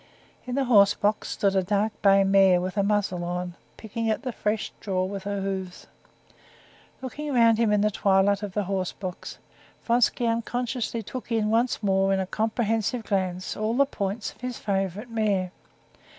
In the horse box stood a dark bay mare, with a muzzle on, picking at the fresh straw with her hoofs. Looking round him in the twilight of the horse box, Vronsky unconsciously took in once more in a comprehensive glance all the points of his favorite mare.